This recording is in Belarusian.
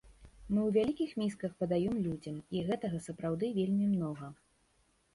Мы ў вялікіх місках падаём людзям, і гэтага сапраўды вельмі многа!